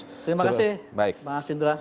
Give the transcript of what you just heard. terima kasih pak sindra